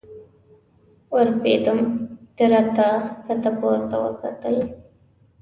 ورپېدم، ده را ته ښکته پورته وکتل.